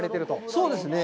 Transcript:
そうですね。